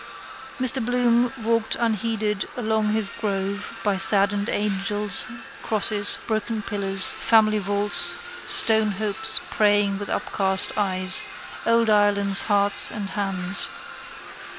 Mr Bloom walked unheeded along his grove by saddened angels, crosses, broken pillars, family vaults, stone hopes praying with upcast eyes, old Ireland's hearts and hands.